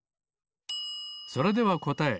それではこたえ。